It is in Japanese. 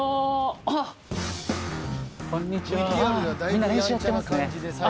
あっこんにちは。